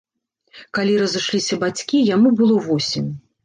Калі разышліся бацькі, яму было восем.